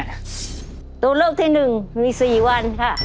ตัวเลือกที่๑มี๔วันค่ะ